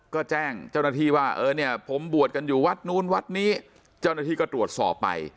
ก็แจ้งเจ้าหน้าที่ว่าเออเนี่ยผมบวชกันอยู่วัดนู้นวัดนี้เจ้าหน้าที่ก็ตรวจสอบไป